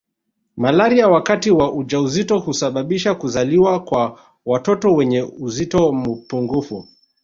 Malaria wakati wa ujauzito husababisha kuzaliwa kwa watoto wenye uzito pungufu